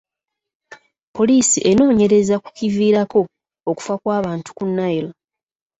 Poliisi enoonyereza kukiviirako okufa kw'abantu ku Nile.